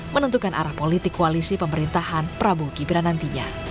menentukan arah politik koalisi pemerintahan prabowo gibran nantinya